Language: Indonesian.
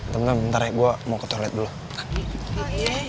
bentar bentar gue mau ke toilet dulu